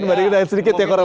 mungkin sedikit ya